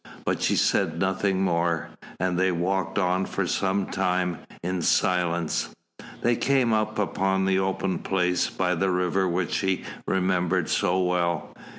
But she said nothing more, and they walked on for some time in silence. They came out upon the open place by the river which she remembered so well.